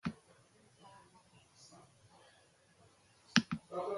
Lankideak pentsatzen zuena jakiteak erabateko garrantzia zuen niretzat.